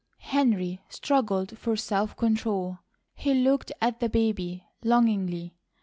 Henry struggled for self control. He looked at the baby longingly.